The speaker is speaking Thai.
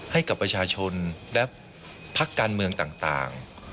ให้กับประชาชนและพักการเมืองต่าง